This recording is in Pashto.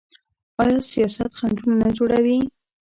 آیا سیاست خنډونه نه جوړوي؟